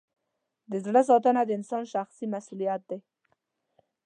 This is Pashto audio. د زړه ساتنه د انسان شخصي مسؤلیت دی.